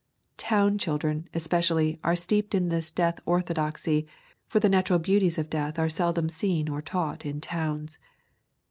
Town children, especially, are steeped in this death orthodoxy, for the natural beauties of death are seldom seen or taught in towns.